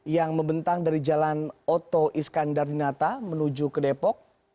yang membentang dari jalan oto iskandar di nata menuju ke depok